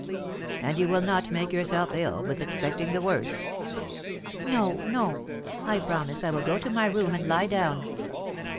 "And you will not make yourself ill with expecting the worst?" "No, no; I promise I will go to my room and lie down."